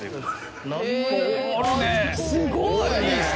すごい。